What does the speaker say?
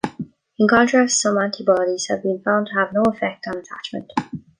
In contrast, some antibodies have been found to have no effect on attachment.